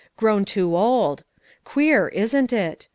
Grown too old. Queer, isn't it?